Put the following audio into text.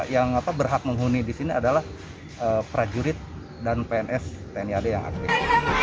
yang berhak menghuni di sini adalah prajurit dan pns tni ad yang aktif